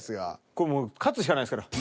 これもう勝つしかないですから。